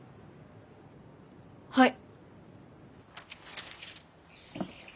はい。